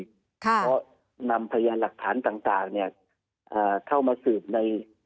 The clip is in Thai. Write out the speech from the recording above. เพราะนำพยานหลักฐานต่างเข้ามาสืบใน